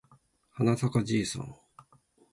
はなさかじいさん